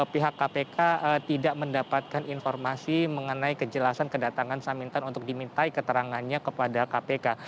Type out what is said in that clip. pihak kpk tidak mendapatkan informasi mengenai kejelasan kedatangan samintan untuk dimintai keterangannya kepada kpk